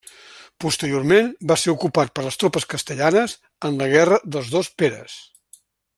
Posteriorment va ser ocupat per les tropes castellanes en la guerra dels dos Peres.